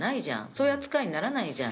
「そういう扱いにならないじゃん。